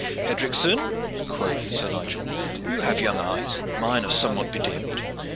"Edricson," quoth Sir Nigel, "you have young eyes, and mine are somewhat bedimmed.